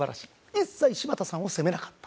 一切柴田さんを責めなかった。